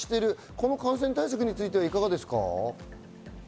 この感染対策についてはいかがですか？